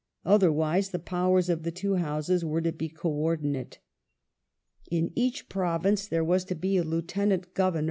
Otherwise the powei*s of the two Houses were to be co ordinate. In each .Province there was to be a Lieutenant Governor, ap * Canadian Sess.